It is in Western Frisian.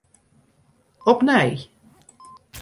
Opnij.